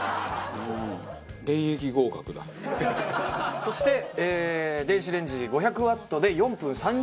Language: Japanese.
そして電子レンジで５００ワットで４分３０秒加熱します。